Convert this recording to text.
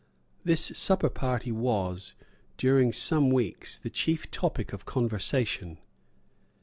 This supper party was, during some weeks, the chief topic of conversation.